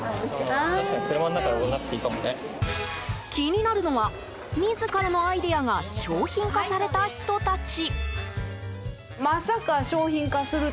気になるのは自らのアイデアが商品化された人たち。